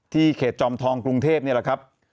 เขตจอมทองกรุงเทพนี่แหละครับ